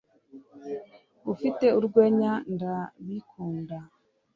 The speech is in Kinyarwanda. Ufite urwenya Ndabikunda